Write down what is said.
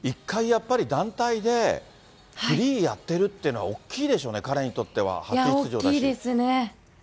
１回やっぱり、団体でフリーやってるっていうのは、大きいでしょうね、彼にとっては、いや、大きいですね。